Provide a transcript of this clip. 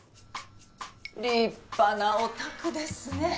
立派なお宅ですね。